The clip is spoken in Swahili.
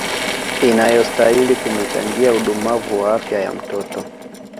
inayostahili kumechangia udumavu wa afyaya mtoto